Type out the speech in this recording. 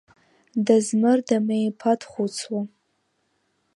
Дазмыр Дамеи-иԥа дхәыцуа.